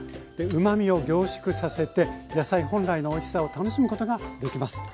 うまみを凝縮させて野菜本来のおいしさを楽しむことができます。